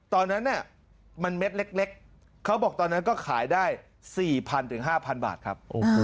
ตอนนั้นมันเม็ดเล็กเขาบอกตอนนั้นก็ขายได้๔๐๐๕๐๐บาทครับ